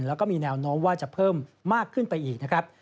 แล้วก็มีแนวโน้มว่าจะเพิ่มมากขึ้นไปอีกนะครับ